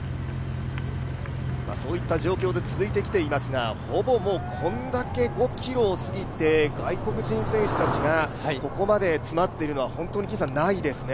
そういった状況で続いてきていますが、５ｋｍを過ぎて外国人選手たちがここまで詰まっているのは本当にないですね。